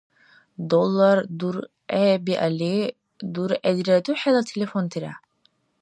Доллар дургӀебиалли, дургӀедириду хӀела телефонтира?